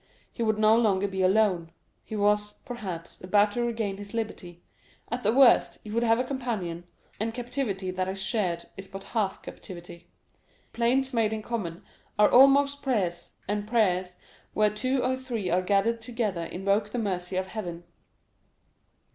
He would no longer be alone. He was, perhaps, about to regain his liberty; at the worst, he would have a companion, and captivity that is shared is but half captivity. Plaints made in common are almost prayers, and prayers where two or three are gathered together invoke the mercy of heaven.